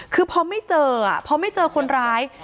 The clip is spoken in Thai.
คือพอไม่เจอคนร้าย